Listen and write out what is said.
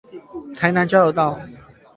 台南交流道